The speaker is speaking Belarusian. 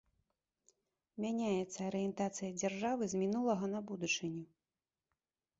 Мяняецца арыентацыя дзяржавы з мінулага на будучыню.